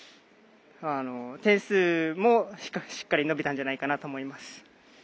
点数もしっかり伸びたんじゃないかなと思います。